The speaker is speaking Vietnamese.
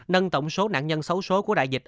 nâng tổng số nạn nhân xấu xối của đại dịch